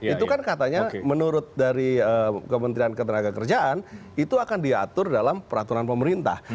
itu kan katanya menurut dari kementerian ketenagakerjaan itu akan diatur dalam peraturan pemerintah